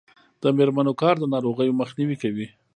د میرمنو کار د ناروغیو مخنیوی کوي.